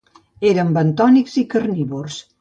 Eren bentònics i carnívors.